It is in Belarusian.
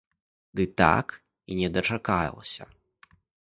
Ды так і не дачакалася.